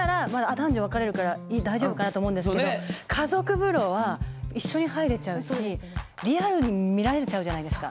男女分かれるから大丈夫かなと思うんですけど家族風呂は一緒に入れちゃうしリアルに見られちゃうじゃないですか。